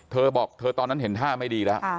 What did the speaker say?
เธอบอกเธอตอนนั้นเห็นท่าไม่ดีแล้ว